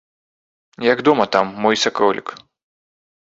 Як дома там, мой саколік?